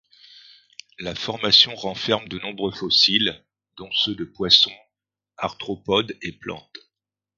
La formation renferme de nombreux fossiles, dont ceux de poissons, arthropodes et plantes.